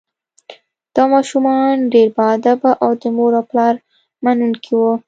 دا ماشومان ډیر باادبه او د مور او پلار منونکي وو